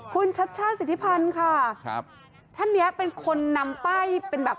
คุณชัชช่าศิษภัณฑ์ค่ะท่านนี้เป็นคนนำป้ายเป็นแบบ